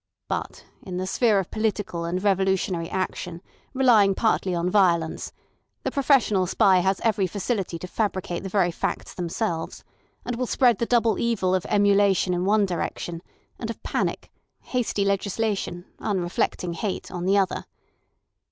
But in the sphere of political and revolutionary action, relying partly on violence, the professional spy has every facility to fabricate the very facts themselves, and will spread the double evil of emulation in one direction, and of panic, hasty legislation, unreflecting hate, on the other.